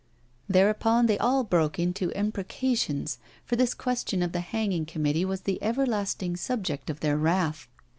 Thereupon they all broke out into imprecations, for this question of the hanging committee was the everlasting subject of their wrath.